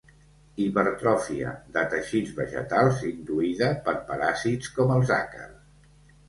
Hipertròfia de teixits vegetals induïda per paràsits com els àcars.